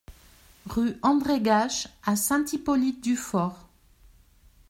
Rue André Gaches à Saint-Hippolyte-du-Fort